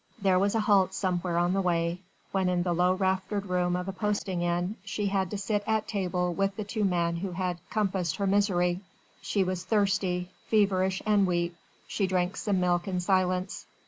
There was a halt somewhere on the way, when in the low raftered room of a posting inn, she had to sit at table with the two men who had compassed her misery. She was thirsty, feverish and weak: she drank some milk in silence.